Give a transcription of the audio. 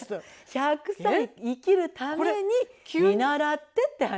１００歳生きるために見習ってって話。